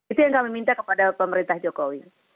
itu yang kami minta kepada pemerintah jokowi